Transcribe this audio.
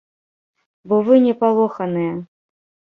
Бо вы не палоханыя.